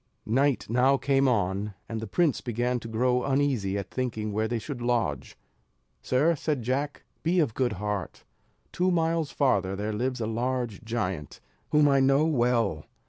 Night now came on, and the prince began to grow uneasy at thinking where they should lodge. "Sir," said Jack, "be of good heart; two miles farther there lives a large giant, whom I know well.